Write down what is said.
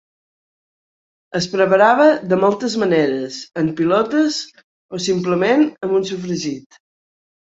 Es preparava de moltes maneres: en pilotes o simplement amb un sofregit.